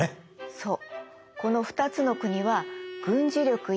そう。